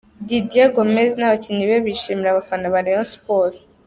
Didier Gomez n’abakinnyi be bashimira abafana ba Rayon Sport.